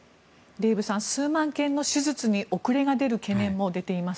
デーブさん数万件の手術に遅れが出る懸念も出ています。